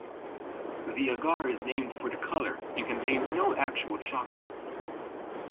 The agar is named for the color and contains no actual chocolate.